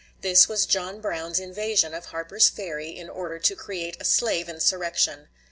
This was John Brown's invasion of Harper's Ferry in order to create a slave insurrection.